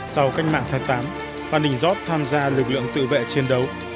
sau cách mạng tháng tám phan đình giót tham gia lực lượng tự vệ chiến đấu